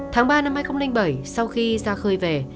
tháng ba năm hai nghìn bảy sau khi ra khơi về